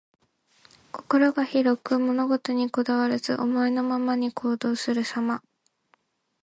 心が広く、物事にこだわらず、思いのままに行動するさま。